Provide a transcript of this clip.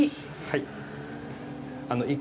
はい。